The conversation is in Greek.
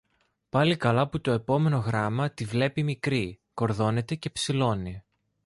Πάλι καλά που το επόμενο γράμμα τη βλέπει μικρή, κορδώνεται και ψηλώνει